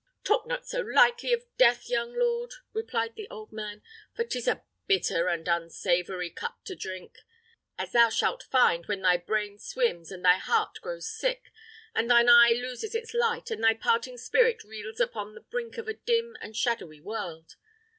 "Talk not so lightly of death, young lord," replied the old man, "for 'tis a bitter and unsavoury cup to drink, as thou shalt find when thy brain swims, and thy heart grows sick, and thine eye loses its light, and thy parting spirit reels upon the brink of a dim and shadowy world.